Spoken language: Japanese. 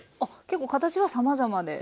結構形はさまざまでね。